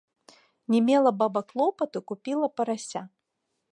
Не мела баба клопату, купіла парася